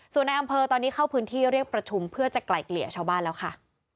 ส่วนในอำเภอตอนนี้เข้าพื้นที่เรียกประชุมเพื่อจะไกลเกลี่ยชาวบ้านแล้วค่ะ